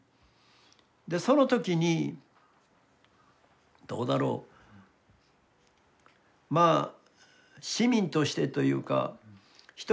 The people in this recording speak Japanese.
その時にどうだろうまあ市民としてというか一人のまあ